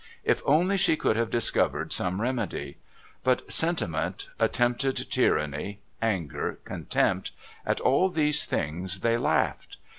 If only she could have discovered some remedy! But sentiment, attempted tyranny, anger, contempt, at all these things they laughed.